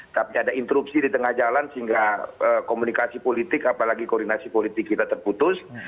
tapi ada interupsi di tengah jalan sehingga komunikasi politik apalagi koordinasi politik kita terputus